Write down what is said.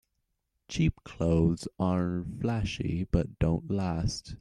Cheap clothes are flashy but don't last.